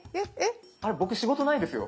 僕仕事ないですよ。